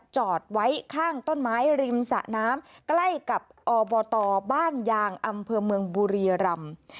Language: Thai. จอดไว้ข้างต้นไม้ริมสะน้ำใกล้กับอบตบ้านยางอำเภอเมืองบุรียรำ